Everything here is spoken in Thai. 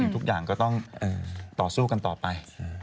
ทุกอย่างก็ต้องต่อสู้กันต่อไป